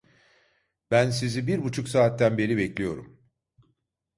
Ben sizi bir buçuk saatten beri bekliyorum.